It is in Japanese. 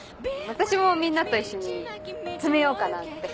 私もみんなと一緒に詰めようかなって。